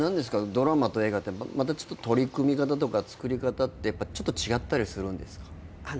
ドラマと映画ってちょっと取り組み方とか作り方ってちょっと違ったりするんですか？